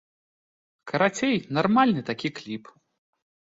Карацей, нармальны такі кліп.